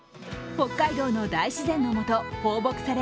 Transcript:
北海道の大自然のもと放牧され